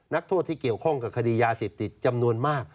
นักโทษที่เกี่ยวข้องกับคดียาเสพติดจำนวนมาก